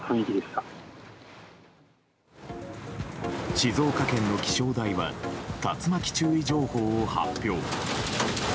静岡県の気象台は竜巻注意情報を発表。